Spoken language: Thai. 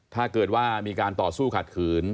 ถ้าเกิดว่ามีการต่อสู้ขัดขืน